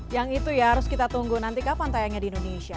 yang itu ya harus kita tunggu nanti kapan tayangnya di indonesia